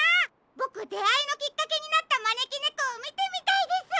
ボクであいのきっかけになったまねきねこをみてみたいです！